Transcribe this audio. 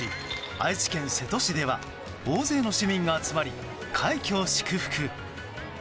愛知県瀬戸市では大勢の市民が集まり快挙を祝福。